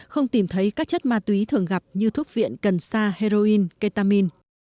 không tìm thấy các chất ma túy thường gặp như thuốc viện cần sa heroin ketamin